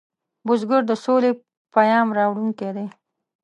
بزګر د سولې پیام راوړونکی دی